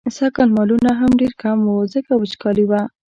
سږکال مالونه هم ډېر کم وو، ځکه وچکالي وه.